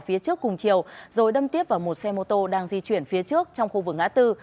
phía trước cùng chiều rồi đâm tiếp vào một xe mô tô đang di chuyển phía trước trong khu vực ngã tư